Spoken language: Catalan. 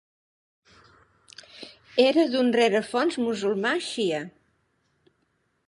Era d'un rerefons musulmà Shia.